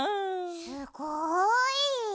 すごい！